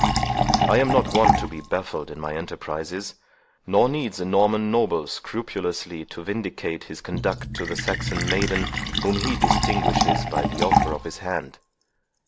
I am not wont to be baffled in my enterprises, nor needs a Norman noble scrupulously to vindicate his conduct to the Saxon maiden whom he distinguishes by the offer of his hand.